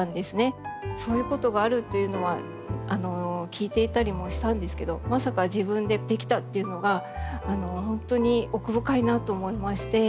そういうことがあるっていうのは聞いていたりもしたんですけどまさか自分で出来たっていうのが本当に奥深いなと思いまして。